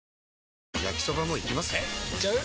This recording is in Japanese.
えいっちゃう？